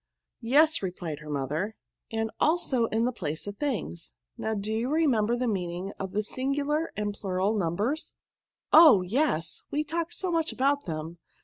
" Yes," replied her mother, " and also in the place of things. Now, do you remember the meaning of the singular and plural num bers?" " Oh! yes, we talked so much about them.